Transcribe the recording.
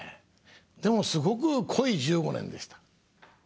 でもすごく濃い１５年でした。